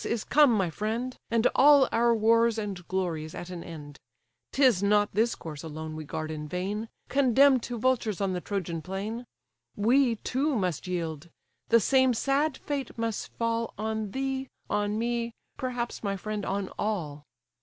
is come, my friend; And all our wars and glories at an end! 'Tis not this corse alone we guard in vain, Condemn'd to vultures on the Trojan plain; We too must yield: the same sad fate must fall On thee, on me, perhaps, my friend, on all.